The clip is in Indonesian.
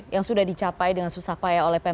yang sudah dicapai dengan susah payah oleh pemerintah